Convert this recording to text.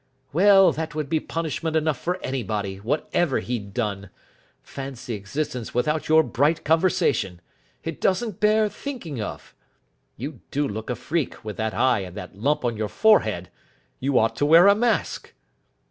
"Well, that would be punishment enough for anybody, whatever he'd done. Fancy existence without your bright conversation. It doesn't bear thinking of. You do look a freak with that eye and that lump on your forehead. You ought to wear a mask."